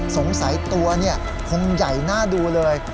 สงสัยตัวเนี่ยคงใหญ่น่าดูเลย